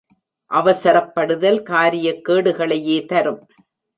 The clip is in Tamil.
அவசரப்படுதல் காரியக் கேடுகளையே தரும்.